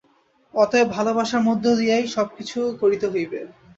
অতএব ভালবাসার মধ্য দিয়াই সব কিছু করিতে হইবে।